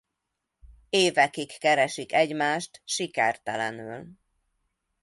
Évekig keresik egymást sikertelenül.